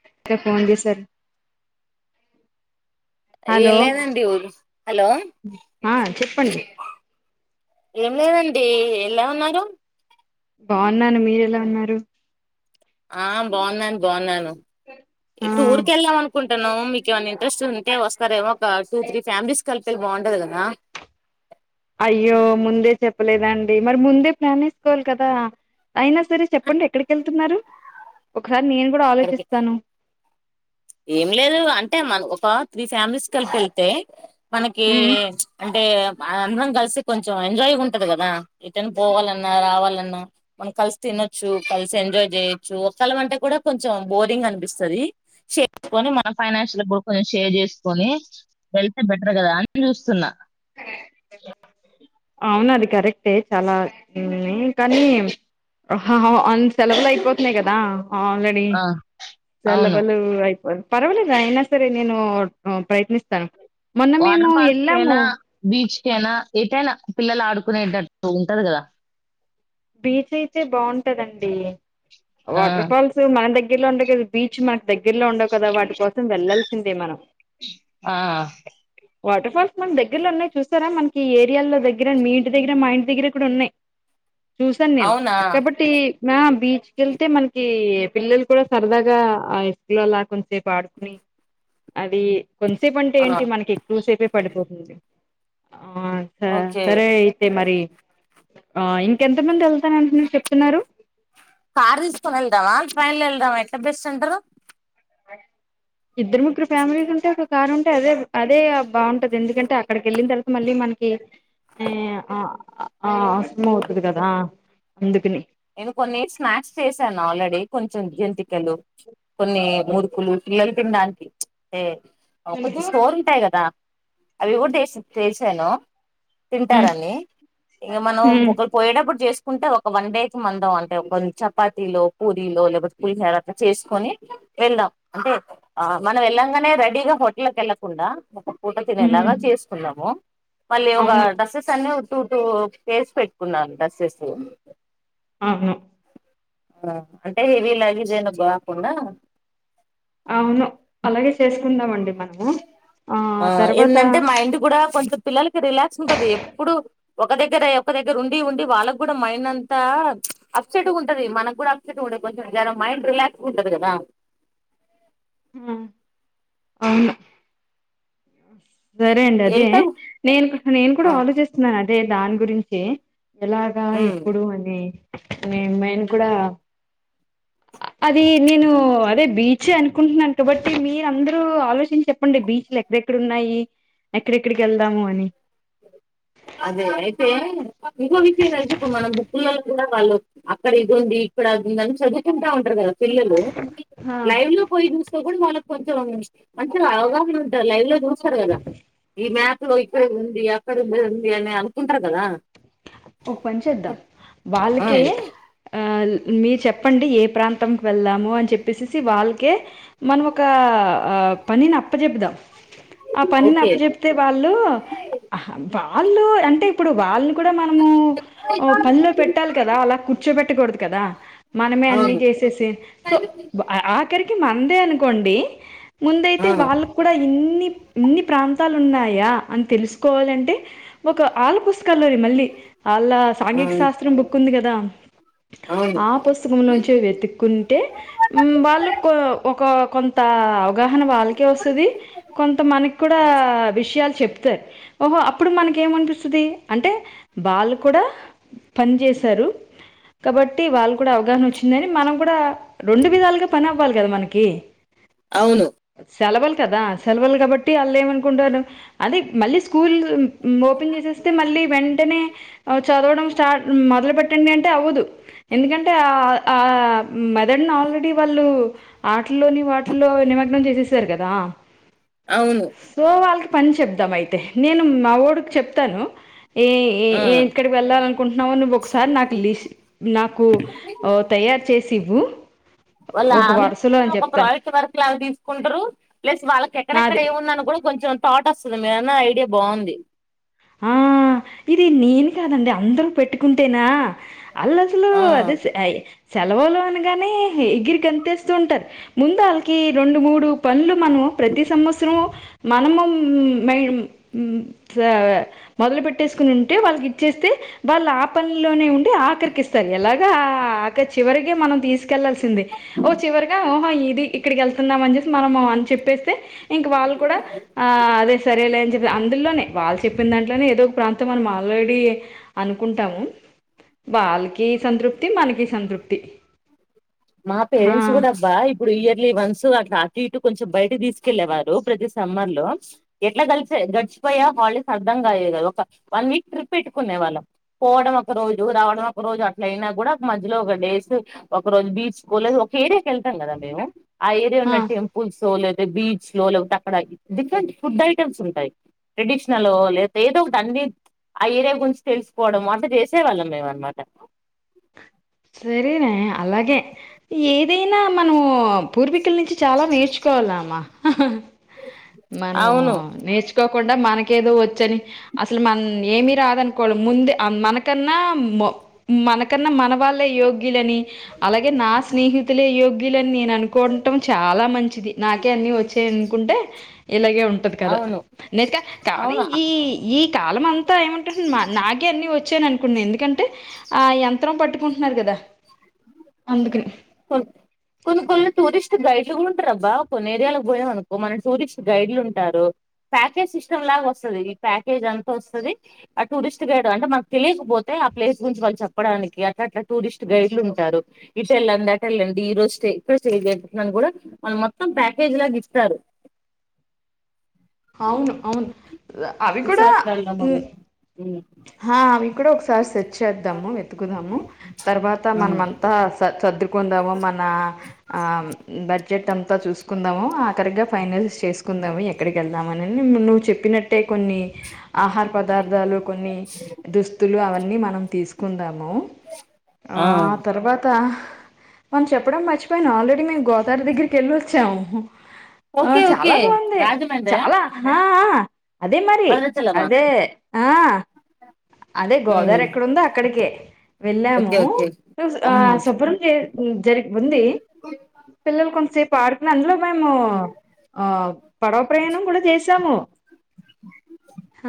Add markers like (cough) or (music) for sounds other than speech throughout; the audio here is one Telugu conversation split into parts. (inaudible) ఏం హలో లేదండి హలో ఆ చెప్పండి ఏం లేదండి ఎలా ఉన్నారు బాగున్నాను మీర ఎలా ఉన్నారు ఆ బాగున్నాను బాగున్నాను ఆ టూర్ క వెళ్ళాం అనుకుంటాను మీకు ఏమన్నా ఇంట్రెస్ట్ ఉంటే వస్తారేమో ఒక టూ త్రీ ఫ్యామిలీస్ కలిపి వె బాగుంటది కదా చెప్పలేదాండి మరి ముందే ప్లాన్ వేసుకోవాలి కదా అయినా సరే చెప్పండి ఎక్కడికి వెళ్తున్నారు సార్ నేను కూడా అక్కడికి ఆలోచిస్తాను ఏం లేదు అంటే మనకి ఒక త్రీ ఫ్యామిలీస్ కలిపి వెళ్తే మనకి ఉమ్ అంటే అందరం కలిసి కొంచెం ఎంజాయ్ ఉంటది కదా ఇటనే పోవాలన్నా రావాలన్నా మనం కలిసి తినొచ్చు కలిసి ఎంజాయ్ చేయొచ్చు ఒకళ అంటే కూడా కొంచెం బోరింగ్ అనిపిస్తుంది కొని మన ఫైనాన్షియల్ గు కొంచం షేర్ చేసుకొని వెళ్తే బెటర్ కదా అని చూస్తున్నా అవునది కరెక్టే చాలా కానీ అన్ సెలవులు అయిపోతున్నాయి కదా ఆల్రెడీ ఆ చల్ల అవును పల్లు అయిపోరు పర్వాలేదా అయినా సరే నేను ప్రయత్నిస్తాను మొన్న మేము వాటర్ ఫాల్స్ వెళ్ళాము కైనా బీచ్ క అయినా ఏతేయినా పిల్లలు ఆడుకునేటట్టు ఉంటది కదా బీచ్ అయితే బాగుంటదండి అ ఆ వాటర్ ఫాల్స్ మన దగ్గరలో ఉండ కదా బీచ్ మనకు దగ్గరలో ఉండవు కదా వాటి కోసం వెళ్లాల సిందే మనం ఆ వాటర్ఫాల్ మన దగ్గరలో ఉన్నా చూస్తారా మ ఈ ఏరియాలో దగ్గర మీ ఇంటి దగ్గర మా ఇంటి దగ్గర కూడాడ ఉన్నా్ చూసాను నేను అవునా కాబట్టి మ బీచ్కి వెళ్తే మనకి పిల్లలు కూడా సరదాగా ఆకూల్లోలా కొంచసేపు ఆడుకుని అది కొంతసేపు అంటే ఆ ఏంటి మనకి ఎక్కువ సేపే పడిపోతుంది ఆ స ఓకే సరే అయితే మరి ఆ ఇన్ ఎంత మంది ఎళ్తరని మీరు చెప్తున్నారు కార్ తిస్కొన్ ఎల్దమా ట్రైన్ లా ఎల్దమా ఎట్ల బెస్ట్ అంటారు ఇద్దరు ముగ్గురు ఫ్యామిలీస్ ఉంటే ఒక కారు ఉంటే అదే అదే బాగుంటది ఎందుకంటే అక్కడికి ఎళ్ళిన తర్వాత మళ్ళీ మనకి ఆ ఆ కష్టం అవుతుంది కదా అందుకని నేను కొన్ని స్నాక్స్ చేశాను ఆల్రెడీ కొంచెం జంతికలు కొన్ని మురుకులు పిల్లలు తినడానికి అ కొంచెం ఎందుకు? స్టోర్ ఉంటయ్ గదా అవి గుడ టేస్ట్ చేసాను హ్మ్. తింటారని ఇంక మనం హ్మ్. ఒకల్ పోయేటప్పుడు చేస్ ఉంట ఒక వన్ డే అంటే చపాతీలో పూరీలో లేకపోతే పులిహోర అట్ల చేసుకని ఎళ్దాం అంటే ఆ మనం వెళ్ళంగానే రెడీగా హోటల్కి వెళ్ళకుండా పూట హ్మ్. తినేలాగా చేసుకుందాము మళ్లీ ఒగా అవును డ్రస్సెస్ అన్ని టూ టూ పెయిర్స్ పెట్టుకున్నాం డ్రెస్సెస్లు అవును ఆ అంటే హెవీ లగేజ్ ఏమీ లేకుండా అవును అలాగే చేసుకుందామండి ఆ ఆ తర్వాత ఏందంటే మా ఇంటి గ్గూడా కొంత్ పిల్లలకి రిలాక్స్ ఉంటది ఎప్పుడు ఒక దగ్గర ఒక దగ్గర ఉండి ఉండి వాళ్ళకు కూడా మైండ్ అంతా అప్సెట్ గుంటది మనగ్గూడా అప్సెట్ ఉండది కొంచెం జర మైండ్ రిలాక్స్ గుంటది కదా ఆ! అవును సరే అండి అదే వెళ్తావు నేను నేను కూడా ఆలోచిస్తున్నాన దే దాని గురించే ఎలాగా ఎప్పుడు అని నేను మేం కూడా అది నేను అదే బీచే అనుకుంటున్నాను కాబట్టి మీరందరూ ఆలోచించెప్పండి బీచ్ లెక్క ఎక్కడున్నాయి ఎక్కడెక్కడికెళ్దాము అని అదే అయితే ఇంకో విషయం అయితే ఇప్పుడు మనం బుక్ లల్లో కూడా వాళ్ళు అక్కడ ఇది ఉంది ఇక్కడ అదుంది అని చదువుకుంటా ఉంటరు కదా పిల్లలు ఆ లైవ్ లో పోయి చూస్తే కూడా వాళ్ళ కొంచెం మంచిగ అవగాహ్ వీలుంటరు లైవ్ లో చూస్తారు కదా ఈ మ్యాప్ లో (unintelligible) ది అక్క (unintelligible) ఉంది అని అనుకుంటరు కదా ఒక పని చేద్దాం ఆ, వాళ్ళకే ఆల్ మీరు చెప్పండి ఏ ప్రాంతంకి వెళ్దాము అని చెప్పేసేసి వాళ్ళకే మనం ఒక పనిని అప్పజెపుదాం ఆ ఓకే పనినప్పజెప్తే వాళ్ళు వాళ్ళు అంటే ఇప్పుడు వాళ్ళిని కూడా మన ఉ ఆ పనిలో పెట్టాలి కదా అలా చ్చోపెట్టకూడదు కదా మనమే అన్నీ అవును చేసేసే సో ఆఖరి మందే అనుకోండి ఆ! ముందైతే వాళ్ళక్కూడా ఇం ఇన్ని ఇన్ని ప్రాంతాలు ఉన్నాయా అని తెలుసుకోవాలంటే ఒక ఆళ్ళ పుస్తకాల్లోరి మళ్ళీ ఆళ్ళ ఆ! సాంఘిక శాస్త్రం బుక్కుంది కదా అవును. ఆ పుస్తకం నుంచే వెతుక్కుంటే మ్ వాళ్ళుక్కూ ఒక కొంత గాహన వాళ్ళకీ వస్తుది కొంత మనక్కూడా విషయాలు చెప్తారు ఓహో అప్పుడు మనకేమనిపిస్తది అంటే వాళ్ళు కూడా పని చేసారు కాబట్టి వాళ్ళు కూడా అవగాహన వచ్చిందని మనం కూడా రెండు విధాలుగా పనవ్వాలి కదా మనకి అవును. సెలవులు కదా సెలవులు కాబట్టి వాళ్ళేమనుకుంటారు అదే మళ్ళీ స్కూల్ ఓపెన్ చేసేస్తే మళ్ళీ వెంటనే ఔ చదవడం స్టార్ట్ మొదలు పెట్టండి అంటే అవ్వదు ఎందుకంటే ఆ ఆ మెదడునాల్రెడీ వాళ్ళు ఆటల్లోని వాటిల్లో నిమగ్నం చేసేసారు కదా అవును. సో వాల్ కి పని చెప్దాం అయితే నేను మా ఓడుకి చెప్తాను ఏ ఆ! ఏ ఇక్కడికి వెళ్ళాల అనుకుంటున్నావో నువ్వు ఒకసారి నాకు లిస్ నాకు తయారు చేసి ఇవ్వు వాళ్ళు ఆ ఒక వి వరుసలో అని ఒక చెప్తాను ప్రాజెక్ట్ వర్క్ లాగా తీసుకుంటరు. ప్లస్ వాళ్ళకి ఎక్కడెక్కడ, నాదే ఏముందని కూడా కొంచెం థాట్ వస్తుంది మీరన్నా ఐడియా బాగుంది. ఆ ఇది నేను కాదండి అందరూ పెట్టుకుంటేనా అల్ల అసలు ఆ! అది సేఫ్టీ సెలవులు అనగానే ఎగిరిగంతేస్తూ ఉంటారు. ముందు వాళ్ళకి రెండు మూడు పనులు మన ప్రతి సంవత్సరం మనము మ ఆ మొదలు పెట్టేసుకుని ఉంటే వాళ్ళకి ఇచ్చేస్తే వాళ్ళ ఆపనిలోనే ఉంటే అ ఆఖరికి ఇస్తారు ఎలాగా ఆకరి చివరిగా మనం తీసుకెళ్లాల్సిందే ఓ చివరిగా ఇది ఇక్కడికి వెళ్తున్నాం అని చెసి మనం అని చెప్పేస్ ఇంక వాళ్ళు కూడా ఆ అదే సరేలే అని చెప్పేస్ అందులోనే వాళ్ చెప్పింది దాంట్లోనే ఏదో ఒక ప్రాంతం మనం ఆల్రెడీ అనుకుంటాము. వాళ్ళకి సంతృప్తి మనకి సంతృప్తి. మా హా పేరెంట్స్ కూడా అబ్బా ఇప్పుడు ఇయర్లీ వన్స్ అట్లా సీటు కొంచెం బయటకి తీసుకెళ్ళేవారు. ప్రతి సమ్మర్ లో ఎట్లా గడిచే గడిచిపోయా హాలిడేస్ అర్ధం కాయలేదు. క ఒక వన్ వీక్ ట్రిప్ పెట్టుకునే వాళ్ళం. పోవడం ఒక రోజు రావడం ఒక రోజు అట్ల అయినా, కూడా ఒక మధ్యలో ఒక డేస్ ఒక రోజు బీచ్ స్కూల్ ఒక ఏరియా కెళ్తాం కదా నీవు ఆ ఏరియా ఉన్న హా టెంపుల్స్లో బీచ్ లో లేకపోతే, అక్కడ డిఫరెంట్ ఫుడ్ ఐటమ్స్ ఉంటాయి. ట్రెడిషనల్ లేకపోతే, ఏదో ఒకటి అన్ని ఆ ఏరియా గురించి తెలుసుకోవడం. అంత చేసేవాళ్ళం మేము అనమాట. సరేనే అలాగే ఏ ఏదైనా మనము పూర్వీకుల నుంచి చాలా నేర్చుకోవాల అమ్మ ఆ మనము అవును తెచ్చుకో కుండా మనకేదో వచ్చని అసలు మన ఏమి రాదనుకోవడం ముందు మనకన్నా మనకన్నా మన వా యోగ్యులని అలాగే నా స్నేహితులే యోగ్యులని నేను అనుకోటం చాలా మంచిది. నాకే అన్ని వచ్చాయ అనుకుంటే, ఇలాగే ఉంటది కదా. అవును నేత కానీ ఈ అవును ఈ కాలం అంతా ఏమంటు నాకే అన్ని వచ్చాయని అనుకున్నా. ఎందుకంటే ఆ యంత్రం పట్టుకు న్నారు కదా కొన్ కొన్ టూరిస్ట్ గైడ్లుగా ఉంటారుబ్బా. కొన్ని ఏరియాలో పోయామ అనుకో, మన టూరిస్ట్ గైడ్లు ఉంటారు. ప్యాకేజ్ సిస్టమ్ లాగా వస్తది. ఈ ప్యాకేజ్ అంత వస్తది ఆ టూరిస్ట్ గైడ్ అంటే మనకు తెలియకపోతే, ఆ ప్లేస్ గురించి వాళ్ళు చెప్పడానికి అట్లా అట్లా టూరిస్ట్ గైడ్లు ఉంటారు. ఇటల్ అండి అటల్ అండి ఈరోజు స్టే ఇక్కడ స్టే కూడా వాళ్ళు మొత్తం ప్యాకేజ్ లాగా ఇస్తారు అవును అవును అవి కూడా రిసార్ట్స్లలో ఉమ్. మనం ఆహ్ అవి కూడా ఒకసారి సెట్ చేద్దాము. వెతుకుదాము తర్వాత మనమ అంతా స సర్దు కొందము మన ఆహ్ బడ్జెట్ అంత్ చూసుకుందాము ఆఖరిగా ఫైనలిస్ట్ చేసుకుందాము ఎక్కడికి వెళ్దామని నువ్వు చెప్పినట్టే. కొన్ని ఆహార పదార్థాలు. కొన్ని దుస్తులు అవన్నీ మనం తీసుకుందాము ఆ ఆహ్ తర్వాత మనం చెప్పడం మర్చపోయిను ఆల్రెడీ మేము గో తార దగ్గరికి వెళ్లొచ్చాము. ఆహ్ ఓకే చాలా ఓకే బాగుంది రాజమండ్రి చాలా ఆహ్ ఆహ్ అదే మరి భద్రాచలమా అదే ఆహ్ అదే గోదావరి ఎక్కడుందో అక్కడికే వెళ్ళాము. ఓకే ఓకే ఆహ్ శుభ్రం చే జరిగి ఉంది పిల్లలు కొంతసేపు పార్ అందులో మేము ఆహ్ పడవ ప్రయాణం కూడా చేసామ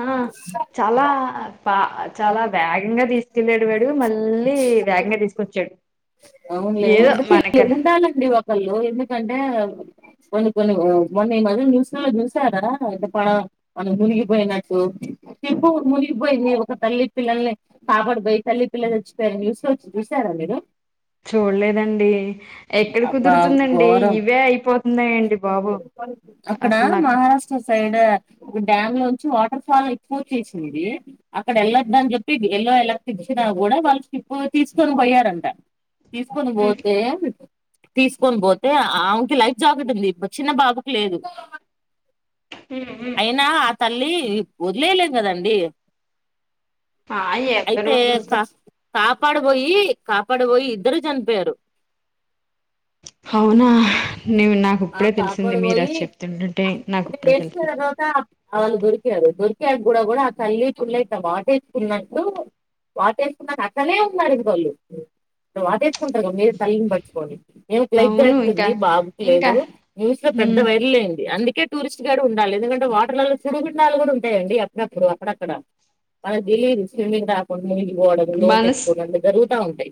ఆహ్ చాలా ఆహ్ చాలా వేగంగా తీసి తినేటివాడు మళ్ళీ వేగంగా తీసుకొచ్చాడు. అవునులే ఏదో ఉండి మనక ఉండాలండి ఒకళ్ళు ఎందుకంటే. కొన్ని కొన్ని మొన్న ఈ మధ్య న్యూస్ లో చూసారా. అంటే పడవ మనం మునిగిపోయినట్టు షిప్పు మునిగిపోయింది ఒక తల్లి పిల్లల్ని కాపాడిపోయి తల్లి పిల్లలు చచ్చిపోయారు న్యూస్ లో చూసారా మీరు. చూడలేదండి. ఎక్కడ అబ్బా కుదురుతుందండి ఘోరం ఇవే అయిపోతున్నాయండి బాబు అక్కడ అసలు నాకు మహారాష్ట్ర సైడ్ ఒక డ్యామ్ లో వాటర్ ఫాల్ ఎక్కువ వచ్చేసింది అక్కడ వెళ్ళొద్ద అని చెప్పి ఎల్లో అలర్టు ఇచ్చినా కూడా వాళ్ళు షీప్పు తీసుకొని పోయారంట. తీసుకొని పోతే తీసుకొని పోతే ఆమెకి లైఫ్ జాకెట్ ఉంది. చిన్న బాబుకు లేదు. ఉమ్ ఉమ్మ్ అయినా ఆ తల్లి వదిలేయలేదు కదండి. అయే అయితే ఎక్కడునో చూసా. కా కాపాడబోయి కాపాడపోయి ఇద్దరు చనిపోయారు. అవునా నీవు నాకు ఆ ఇప్పుడే తెలిసింది. మీరు కాపాడబోయి అది చెప్తుంటే నాకు ఇప్పుడే తెలిసింది. ఆ వాళ్ళు దొరికారు దొరికాక కూడా కూడా ఆ తల్లి పిల్ల ఇట్లా వాటేసుకున్నట్టు వాటేసుకున్న అక్కనే ఉన్నారు ఇది వాళ్ళు వాటేసుకుంటారు కద మీద తల్లి. ండి నేను లైఫ్ అవును ఇంకా దాకుతుంది బాబుకు ఇంకా లేదు న్యూస్ లో పెద్ద హ్మ్ వైరల్ అయ్యంది అందు టూరిస్ట్ గైడ్ ఉండాలి ఎందుకంటే వాటర్లలో చుడుగుిడ్డాలు కూడా ఉంటాయి అండి అప్పుడప్పుడు అక్కడక్కడ మనకి తెిలీదు స్విమ్మింగ్ రాకుండా ముగిపోవడం లోతు మనస్ ఎటుకోవ అందుకని ఉంటాయి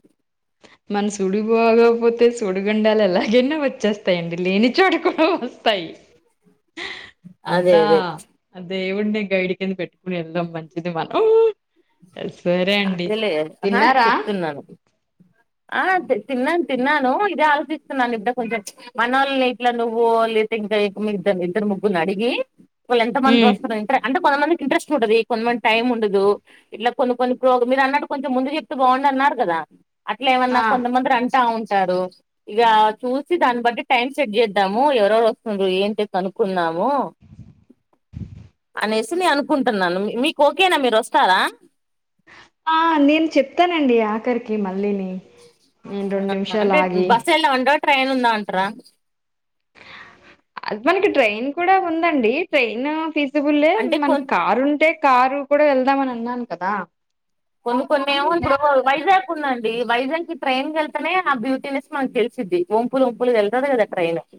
మన సుడిపోకపోతే సుడిగుండాలు ఎలాగైనా వచ్చేస్తాయిడి లేనిచోటు కూడా వస్తాయి అదే అంతా అదే అ దేవుడిని గైడ్ కింద పెట్టుకుని వెళ్దాం మంచిది మనం సరే అండి అదేలే ఆహా తిన్నారా చెప్తున్నాను ఆ తిన్నాను తిన్నాను ఇదే ఆలోచిస్తున్నాను ఇప్పుడ కొంచెం మన వాళ్ళని ఇట్లా నువ్వు లేదా ఇంకాద్ద ఇద్దరు ముగ్గుని అడిగి వాళ్ళు ఎంత మంది హ్మ్ వస్తున్నారుంట అంటే కొంతమందికి ఇంట్రెస్ట్ ఉంటది కొంతమంది టైం ఉండదు ఇట్లా కొన్ని కొన్ని ప్రోగ మీరు అన్నట్టు కొంచెం ముందు చెప్తే బాగుండు అన్నారు కదా అట్లే ఏమన్నా ఆ కొంతమంది ర అంటా ఉంట అంటారు ఇక చూసి దాన్ని బట్టి టైం సెట్ చేద్దాము ఎవరెవరు వస్తుండ్ర ఏంటిని కనుకున్నాము అనేసి నేను అనుకుంటున్నాను మీకు ఓకేనా మీరు వస్తారా ఆ నేను చెప్తానండి ఆఖరికి కి మల్ళలేని ఆ అంటే బస్ ఎలా ఉండో ట్రైన్ ఉందా అంటారా అ మనకి ట్రైన్ కూడా ఉంద ండి ట్రైన్ ఫీజ బుల్ అంటే మన కొంచెం కారు ఉంటే కారు కూడా వెళ్దామని అన్నాను కదా కొందు కొన్ని ఉ వైజాగ్ ందండి వైజాగ్కి ట్రైన్ క వెళ్తతేనే ఆ బ్యూటీనెస్ మనకి తెలిసిది వంపులు వంపులు వెళ్తుంది కదా ట్రైన్ కి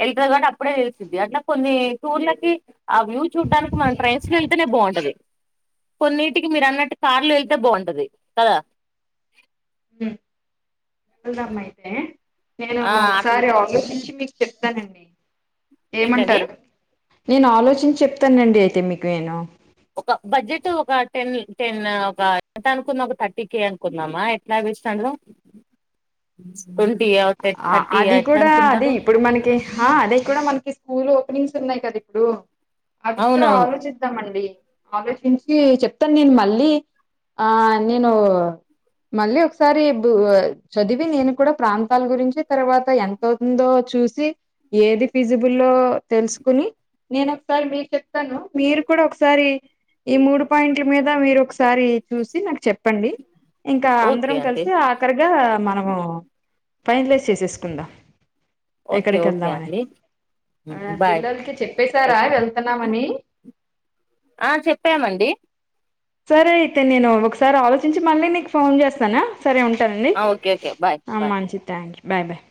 వెళ్తుది కాబట్టి అప్పుడే తెలిసిద్ది అట్లా కొన్ని టూర్లకి ఆ వ్యూ చూడ్డానికి మనం ట్రైన్స్ వెళ్తేనే బాగుంటది కొన్నిటికి మీరు అన్నట్టు కార్లు అంటే బాగుంటది కదా హ్మ వెళ్దామా అయితే నేను ఆ అట్ల ఒకసారి ఆగస్టు నుంచి మీకు చెప్తానండి ఏంటండి ఏమంటారు నేను ఆలోచించి చెప్ త్తనండి అయితే మీకు నేను ఒక బడ్జెట్ ఒక టెన్ టెన్ ఒక ఎంత అనుకుంద ఒక థర్టీ కే అనుకుందామా ఎట్లాస్తుండ ఆ అది కూడా అదే అనుకుంటారు ఇప్పుడు మనకి ఆ అదే కూడా మనకి స్కూల్ ంగ్స్ ఉన్నాయి కదా ఇప్పుడు అవి కూడా అవునవును ఆలోచిద్దామండి ఆలోచించి చెప్తాను నేను మళ్ళీ ఆ నేను మళ్ళీ ఒకసారి చదివి నేను కూడా ప్రాంత రాల గురించి తర్వాత ఎంతవుతుందో చూసి ఏది ఫిజిబుల్లో తెలుసుకుని నేను ఒకసారి మీకు చెప్తాను మీరు కూడా ఒకసారి ఈ మూడు పాయింట్ల మీద మీరు ఒక ఒకసారి చూసి నాకు చెప్పండి ఇంకా ఓకే అందరం అండి కలిసి ఆఖరిగా మనము ఫైనలైజ్ చేసేసుకుందా ఓకే ఓకే అండి ఆ, బాయ్ పిల్లలకి చెప్పేశారా ఓకే వెళ్తున్నామని చెప్పామండి సరే అయితే నేను ఒకసారి ఆలోచించి మళ్ళీ నీకు ఫోన్ చేస్తానా సరే ఉంటానండి ఆ ఓకే ఓకే బాయ్ బాయ్ మంచి థ్యాంక్ యూ బాయ్ బాయ్